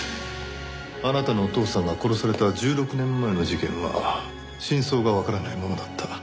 あなたのお父さんが殺された１６年前の事件は真相がわからないままだった。